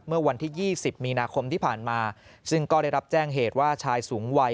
เมื่อวันที่๒๐มีนาคมที่ผ่านมาซึ่งก็ได้รับแจ้งเหตุว่าชายสูงวัย